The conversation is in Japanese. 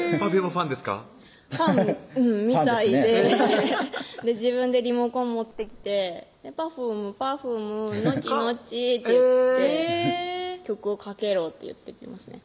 ファンみたいで自分でリモコン持ってきて「パフームパフームのっちのっち」って言って「曲をかけろ」って言ってきますね